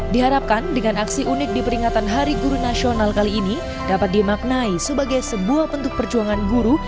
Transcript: diharapkan dengan aksi unik di peringatan hari guru nasional kali ini dapat dimaknai sebagai sebuah bentuk perjuangan guru